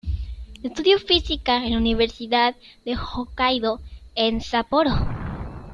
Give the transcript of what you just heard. Estudió física en la Universidad de Hokkaido en Sapporo.